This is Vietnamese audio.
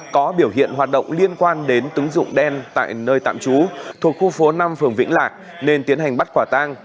có biểu hiện hoạt động liên quan đến tứng dụng đen tại nơi tạm trú thuộc khu phố năm phường vĩnh lạc nên tiến hành bắt quả tang